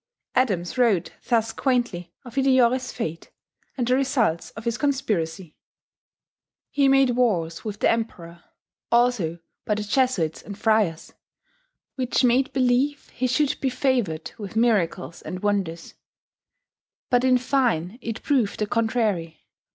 Adams wrote thus quaintly of Hideyori's fate, and the results of his conspiracy: "Hee mad warres with the Emperour ... allso by the Jessvits and Ffriers, which mad belleeue he should be fauord with mirrackles and wounders; but in fyne it proued the contrari.